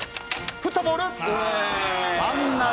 振ったボール。